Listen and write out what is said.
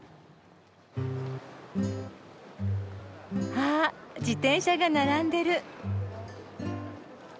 あっ自転車が並んでる。